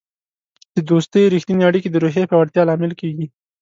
د دوستی رښتیني اړیکې د روحیې پیاوړتیا لامل کیږي.